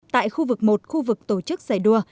tại khu vực một khu vực tổ chức giải đua